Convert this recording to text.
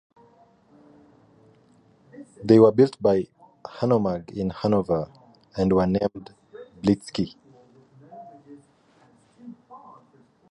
They were built by Hanomag in Hannover and were nicknamed "Bliksti".